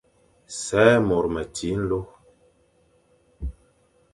Sè môr meti nlô.